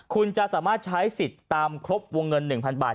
คุณจะสามารถใช้สิทธิ์ตามครบวงเงิน๑๐๐๐บาท